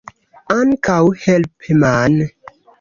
Ankaŭ helpeman.